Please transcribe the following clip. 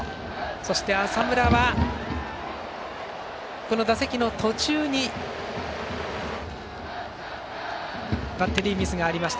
そして、浅村はこの打席の途中にバッテリーミスがありました。